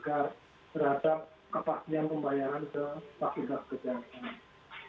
jadi ini adalah bagaimana pemerintah yang berhasil memperbaiki kemas kesehatan ini